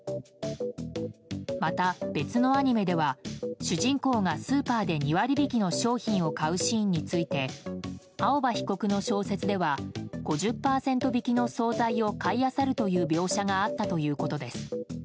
また、別のアニメでは主人公がスーパーで２割引きの商品を買うシーンについて青葉被告の小説では「５０％引きの総菜を買いあさる」という描写があったということです。